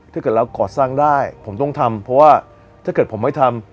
ถ้าเกิดเราก่อสร้างได้ผมต้องทำเพราะว่าถ้าเกิดผมไม่ทำ